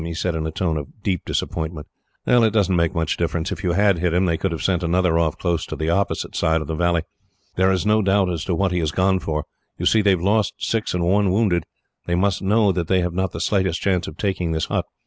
he said, in a tone of deep disappointment. "It does not make much difference. If you had hit him, they could have sent another off close to the opposite side of the valley. There is no doubt as to what he has gone for. You see, they have lost six killed and one wounded, and they must know that they have not the slightest chance of taking this hut.